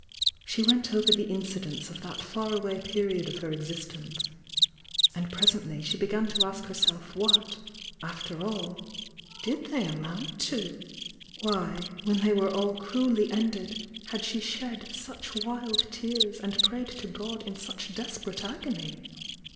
She went over the incidents of that far away period of her existence, — and presently she began to ask herself what, after all, did they amount to? Why, when they were all cruelly ended, had she shed such wild tears and prayed to God in such desperate agony?